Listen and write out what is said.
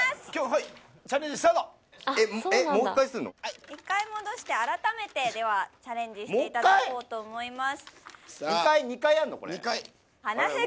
はいチャレンジスタート１回戻して改めてではチャレンジしていただこうと思います